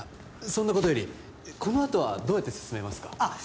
そんなことよりこのあとはどうやって進めますかあっ